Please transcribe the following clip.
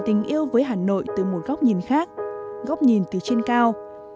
tình yêu với hà nội từ một góc nhìn khác góc nhìn từ trên cao